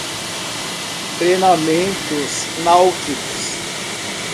Treinamentos náuticos